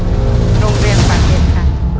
โรงเรียนปากเกร็ดค่ะ